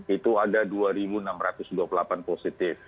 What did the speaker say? itu ada dua enam ratus dua puluh delapan positif